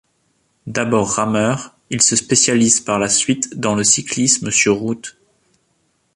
D'abord rameur, il se spécialise par la suite dans le cyclisme sur route.